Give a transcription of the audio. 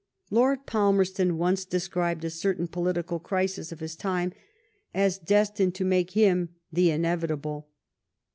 Lord Palmerston once de scribed a certain political crisis of his time as destined to make him "the inevitable."